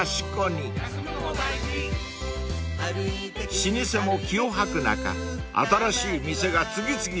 ［老舗も気を吐く中新しい店が次々とオープン］